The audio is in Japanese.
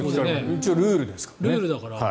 一応ルールですからね。